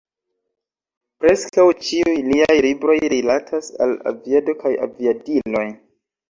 Preskaŭ ĉiuj liaj libroj rilatas al aviado kaj aviadiloj.